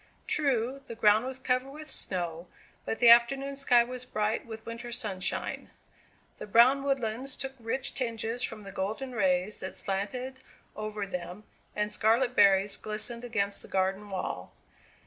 True, the ground was covered with snow; but the afternoon sky was bright with winter sunshine. The brown woodlands took rich tinges from the golden rays that slanted over them, and scarlet berries glistened against the garden wall.